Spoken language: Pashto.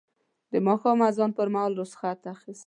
د ماښام اذان پر مهال رخصت اخیست.